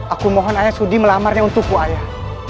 aku mohon ayah sudi melamarnya untukku ayah